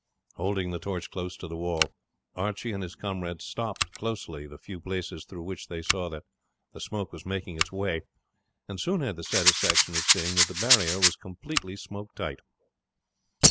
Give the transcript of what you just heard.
Holding the torch close to the wall, Archie and his comrade stopped closely the few places through which they saw that the smoke was making its way, and soon had the satisfaction of seeing that the barrier was completely smoke tight.